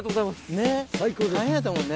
大変やったもんね。